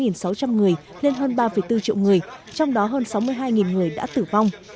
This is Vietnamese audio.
nâng sáu trăm linh người lên hơn ba bốn triệu người trong đó hơn sáu mươi hai người đã tử vong